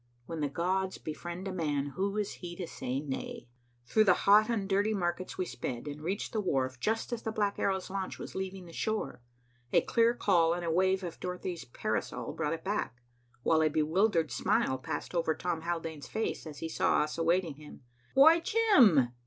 When the gods befriend a man, who is he to say nay? Through the hot and dirty markets we sped and reached the wharf, just as the Black Arrow's launch was leaving the shore. A clear call and a wave of Dorothy's parasol brought it back, while a bewildered smile passed over Tom Haldane's face as he saw us awaiting him. "Why, Jim!"